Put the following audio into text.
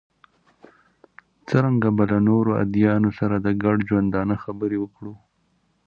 څرنګه به له نورو ادیانو سره د ګډ ژوندانه خبرې وکړو.